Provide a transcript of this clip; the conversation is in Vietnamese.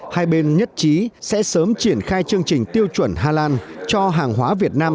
hai bên nhất trí sẽ sớm triển khai chương trình tiêu chuẩn hà lan cho hàng hóa việt nam